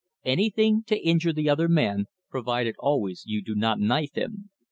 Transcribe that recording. Anything to injure the other man, provided always you do not knife him.